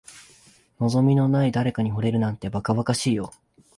望みのない誰かに惚れるなんて、ばかばかしいよ。